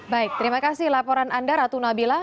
baik terima kasih laporan anda ratu nabila